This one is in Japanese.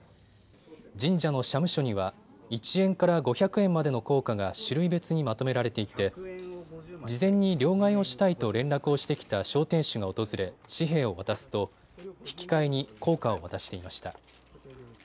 神社の社務所には１円から５００円までの硬貨が種類別にまとめられていて事前に両替をしたいと連絡をしてきた商店主が訪れ、紙幣を渡すと引き換えに硬貨を渡していました。